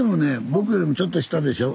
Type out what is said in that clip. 僕よりもちょっと下でしょ？